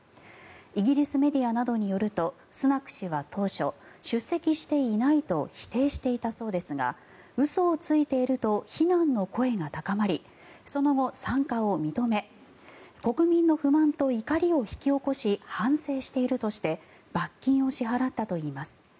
イギリスメディアなどによるとスナク氏は当初出席していないと否定していたそうですが嘘をついていると非難の声が高まりその後、参加を認め国民の不満と怒りを引き起こし反省しているとして罰金を支払ったといいます。